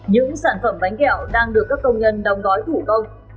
những sản phẩm bánh kẹo đang được các công nhân đóng gói thủ công